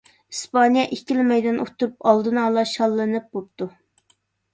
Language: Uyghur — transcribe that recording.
ئىسپانىيە ئىككىلا مەيدان ئۇتتۇرۇپ ئالدىنئالا شاللىنىپ بوپتۇ.